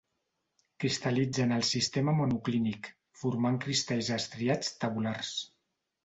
Cristal·litza en el sistema monoclínic, formant cristalls estriats tabulars.